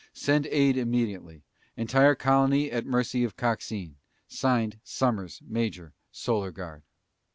SEND AID IMMEDIATELY. ENTIRE COLONY AT MERCY OF COXINE. SIGNED, SOMMERS, MAJOR, SOLAR GUARD.